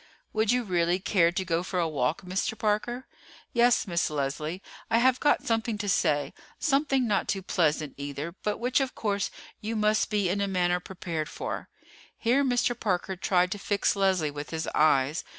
"Would you really care to go for a walk, Mr. Parker?" "Yes, Miss Leslie. I have got something to say, something not too pleasant either, but which of course you must be in a manner prepared for." Here Mr. Parker tried to fix Leslie with his eyes.